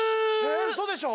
えっうそでしょ？